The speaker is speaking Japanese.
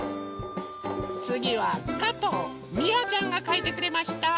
つぎはかとうみあちゃんがかいてくれました。